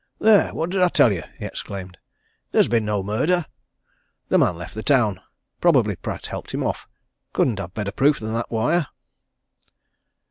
"There! what did I tell you?" he exclaimed. "There's been no murder! The man left the town. Probably, Pratt helped him off. Couldn't have better proof than that wire!"